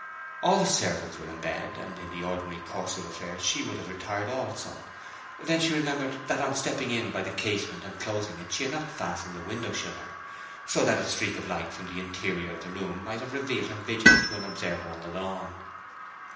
All the servants were in bed, and in the ordinary course of affairs she would have retired also. Then she remembered that on stepping in by the casement and closing it, she had not fastened the window shutter, so that a streak of light from the interior of the room might have revealed her vigil to an observer on the lawn.